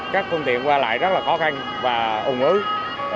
các phương tiện qua lại rất là khó khăn và ủng ứ